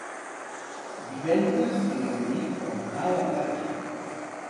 Divendres en Rauric vol anar a la platja.